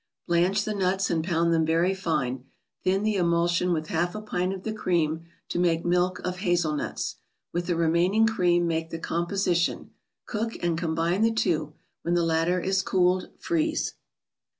Blanch the nuts, and pound them very*fine. Thin the emulsion with half a pint of the cream, to make " Milk of Hazelnuts." With the remaining cream make the com¬ position ; cook, and combine the two, when the latter is cooled. Freeze.